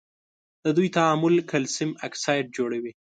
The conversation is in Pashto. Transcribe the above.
د دوی تعامل کلسیم اکساید جوړوي.